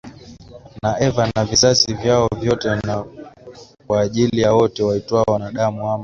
na Eva na vizazi vyao vyote na kwa ajili ya wote waitwao wanadamu ama